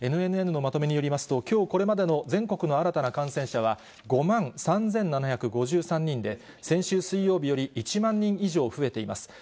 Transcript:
ＮＮＮのまとめによりますと、きょうこれまでの全国の新たな感染者は、５万３７５３人で、先週水曜日より１万人以上増えています。